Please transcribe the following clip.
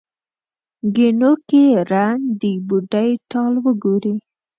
ګېڼو کې رنګ، د بوډۍ ټال وګورې